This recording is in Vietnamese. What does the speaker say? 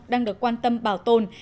đang được quan tâm bảo tồn